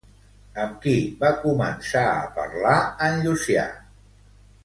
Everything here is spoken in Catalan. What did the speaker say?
Amb qui va començar a parlar en Llucià?